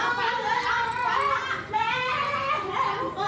ไอ้แม่ได้เอาแม่ดูนะ